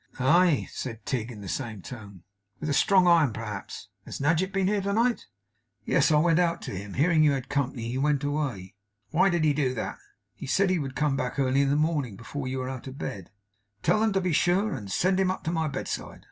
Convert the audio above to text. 'Aye!' said Tigg, in the same tone. 'With a strong iron, perhaps. Has Nadgett been here to night?' 'Yes. I went out to him. Hearing you had company, he went away.' 'Why did he do that?' 'He said he would come back early in the morning, before you were out of bed.' 'Tell them to be sure and send him up to my bedside.